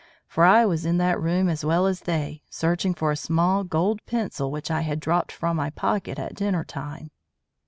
For I was in that room as well as they, searching for a small gold pencil which I had dropped from my pocket at dinner time."